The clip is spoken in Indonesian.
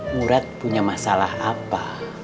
murad punya masalah apa